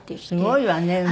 すごいわね。